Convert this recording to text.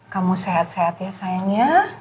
kamu sehat sehat ya sayangnya